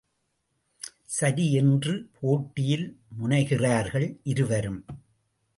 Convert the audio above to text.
சரி என்று போட்டியில் முனைகிறார்கள் இருவரும்.